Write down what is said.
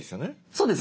そうです。